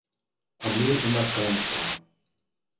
Armee in Afghanistan.